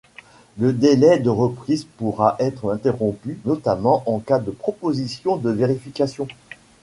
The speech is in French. Le délai de reprise pourra être interrompu notamment en cas de proposition de vérification.